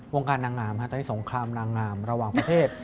วงการนางงามตอนนี้สงครามนางงามระหว่างประเทศ